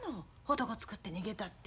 男つくって逃げたって。